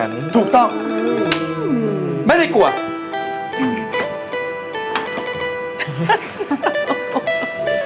หมอบไม่ได้กลัว